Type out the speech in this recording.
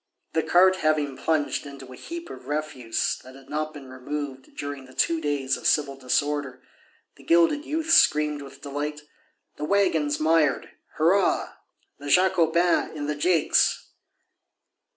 The cart having plunged into a heap of refuse that had not been removed during the two days of civil disorder, the gilded youth screamed with delight: "The waggon's mired.... Hurrah! The Jacobins in the jakes!"